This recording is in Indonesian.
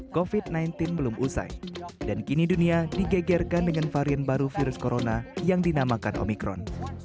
covid sembilan belas belum usai dan kini dunia digegerkan dengan varian baru virus corona yang dinamakan omikron